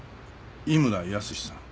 井村泰さん